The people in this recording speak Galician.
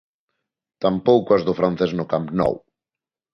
Tampouco as do francés no Camp Nou.